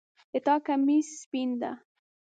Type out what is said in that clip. د تا کمیس سپین ده